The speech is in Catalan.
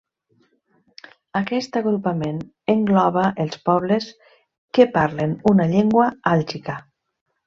Aquest agrupament engloba els pobles què parlen una llengua àlgica.